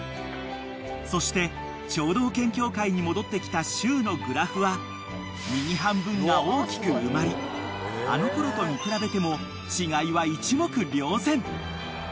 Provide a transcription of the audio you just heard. ［そして聴導犬協会に戻ってきたしゅうのグラフは右半分が大きく埋まりあのころと見比べても違いは一目瞭然］